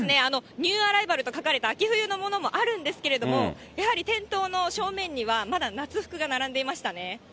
ニューアライバルと書かれた秋冬のものもあるんですけれども、やはり店頭の正面にはまだ夏服が並んでいましたね。